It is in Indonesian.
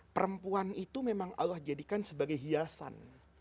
perempuan itu memang allah jadikan sebagai hiasan